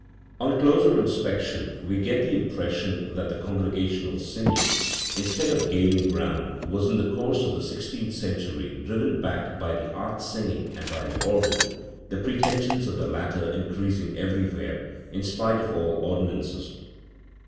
On closer inspection we get the impression that the congregational singing, instead of gaining ground, was in the course of the sixteenth century driven back by the art singing and by the organ, the pretensions of the latter increasing everywhere, in spite of all ordinances *.